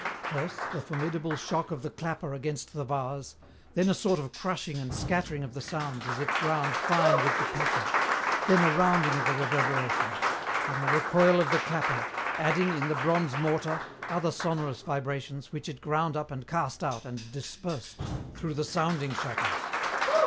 First, the formidable shock of the clapper against the vase, then a sort of crushing and scattering of the sounds as if ground fine with the pestle, then a rounding of the reverberation; then the recoil of the clapper, adding, in the bronze mortar, other sonorous vibrations which it ground up and cast out and dispersed through the sounding shutters.